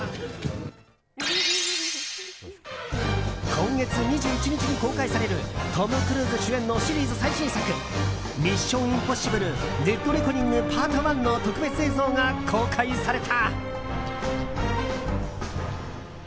今月２１日に公開されるトム・クルーズ主演のシリーズ最新作「ミッション：インポッシブル／デッドレコニングＰＡＲＴＯＮＥ」の特別映像が公開された。